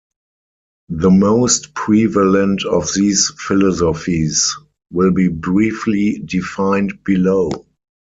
The most prevalent of these philosophies will be briefly defined below.